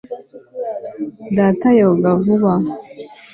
data yoga vuba